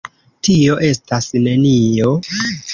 Tio estas nenio.